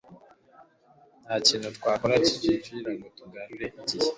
ntakintu twakora kugirango tugarure igihe